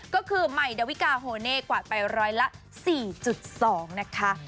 ก็คือไหมดวิกาโฮเน่กวาดไป๑๐๔๒ค่ะ